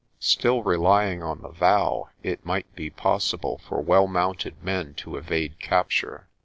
Still relying on the vow, it might be possible for well mounted men to evade capture.